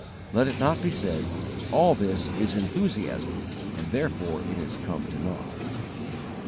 Let it not be said, 'All this is enthusiasm, and therefore it is come to naught.'"